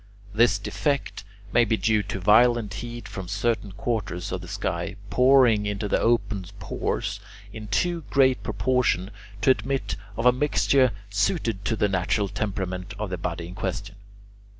This defect may be due to violent heat from certain quarters of the sky, pouring into the open pores in too great proportion to admit of a mixture suited to the natural temperament of the body in question.